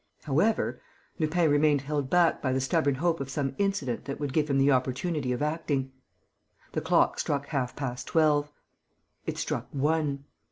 However, Lupin remained held back by the stubborn hope of some incident that would give him the opportunity of acting. The clock struck half past twelve. It struck one.